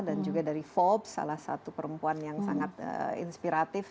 dan juga dari forbes salah satu perempuan yang sangat inspiratif